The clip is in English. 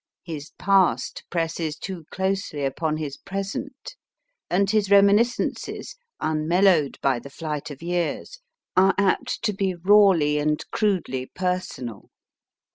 His past presses too closely upon his present, and his reminiscences, unmellowed by the flight of years, are apt to be rawly and crudely personal.